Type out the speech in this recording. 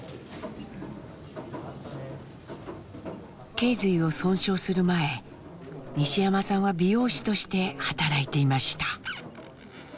けい随を損傷する前西山さんは美容師として働いていました。